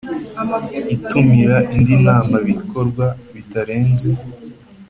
itumira indi nama ikorwa bitarenze